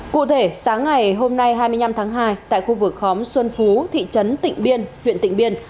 cụ thể sáng ngày hôm nay hai mươi năm tháng hai tại khu vực khóm xuân phú thị trấn tịnh biên huyện tịnh biên